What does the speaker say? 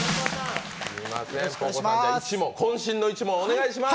こん身の１問をお願いします